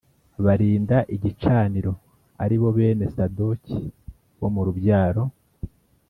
Barinda igicaniro ari bo bene sadoki bo mu rubyaro